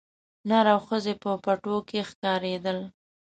نر او ښځي په پټو کښي ښکارېدل